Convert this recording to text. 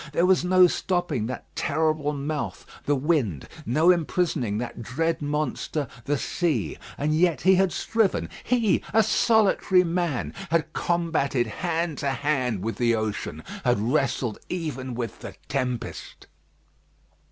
There was no stopping that terrible mouth the wind, no imprisoning that dread monster the sea. And yet he had striven, he, a solitary man, had combated hand to hand with the ocean, had wrestled even with the tempest.